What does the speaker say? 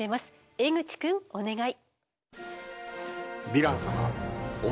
江口くんお願い！